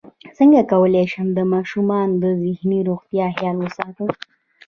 څنګه کولی شم د ماشومانو د ذهني روغتیا خیال وساتم